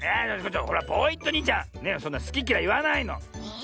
ポイットニーちゃんそんなすききらいいわないの！